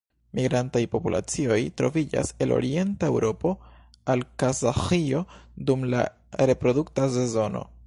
Migrantaj populacioj troviĝas el Orienta Eŭropo al Kazaĥio dum la reprodukta sezono.